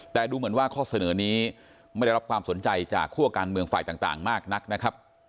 แต่ดูเหมือนว่าข้อเสนอนี้ไม่ได้รับความสนใจจากคั่วการเมืองฝ่ายต่างมากนักนะครับ